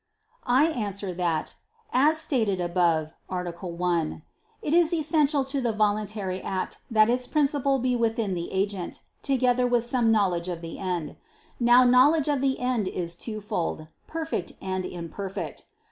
]. I answer that, As stated above (A. 1), it is essential to the voluntary act that its principle be within the agent, together with some knowledge of the end. Now knowledge of the end is twofold; perfect and imperfect.